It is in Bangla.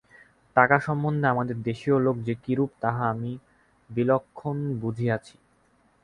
টাকা সম্বন্ধে আমাদের দেশীয় লোক যে কিরূপ, তাহা আমি বিলক্ষণ বুঝিয়াছি।